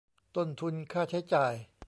ต้นทุนค่าใช้จ่าย